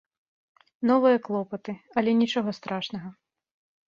Новыя клопаты, але нічога страшнага.